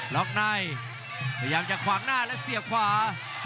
ล็อกในพยายามจะขวางหน้าและเสียบขวา